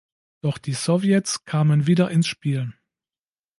Doch die Sowjets kamen wieder ins Spiel.